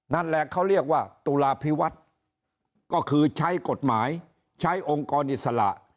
นั่นแหละเขาเรียกว่าตุลาพิวัฒน์ก็คือใช้กฎหมายใช้องค์กรอิสระ